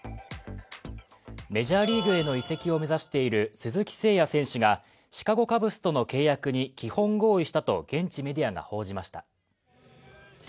メジャーリーグへの移籍を目指している鈴木誠也選手が、シカゴカブスとの契約に基本合意したと現地メディアが報じました。